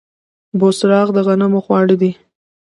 بوسراغ د غنمو خواړه دي.